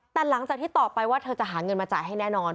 แต่หลังจากที่ต่อไปว่าเธอจะหาเงินมาจ่ายให้แน่นอน